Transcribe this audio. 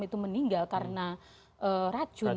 itu meninggal karena racun